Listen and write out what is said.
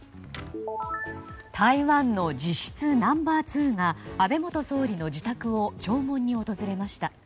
台湾の実質ナンバー２が安倍元総理の自宅を弔問に訪れました。